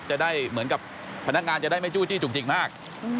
จะได้เหมือนกับพนักงานจะได้ไม่จู้จี้จุกจิกมาก